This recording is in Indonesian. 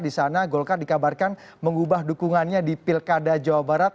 di sana golkar dikabarkan mengubah dukungannya di pilkada jawa barat